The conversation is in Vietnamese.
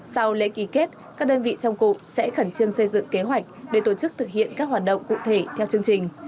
sau lễ ký kết các đơn vị trong cụm sẽ khẩn trương xây dựng kế hoạch để tổ chức thực hiện các hoạt động cụ thể theo chương trình